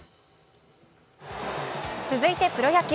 続いてプロ野球。